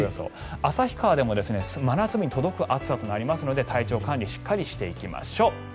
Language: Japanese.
旭川でも真夏日に届く暑さとなりますので体調管理しっかりしていきましょう。